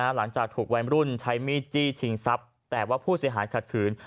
หลังจากถูกวัยรุ่นใช้มีดจี้ชิงทรัพย์แต่ว่าผู้เสียหายขัดขืน